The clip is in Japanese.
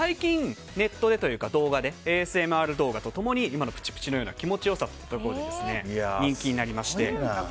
でも最近、動画でＡＳＭＲと共に今のプチプチのような気持ち良さというところで人気になりまして。